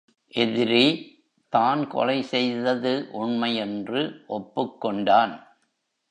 எதிரி தான் கொலை செய்தது உண்மை என்று ஒப்புக் கொண்டான்.